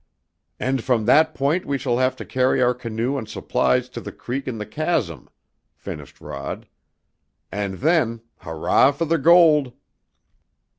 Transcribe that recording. "And from that point we shall have to carry our canoe and supplies to the creek in the chasm," finished Rod. "And then hurrah for the gold!"